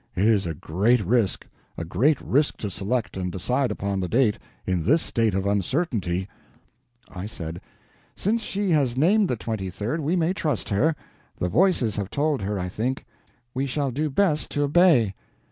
It is a great risk—a great risk to select and decide upon the date, in this state of uncertainty." I said: "Since she has named the 23d, we may trust her. The Voices have told her, I think. We shall do best to obey."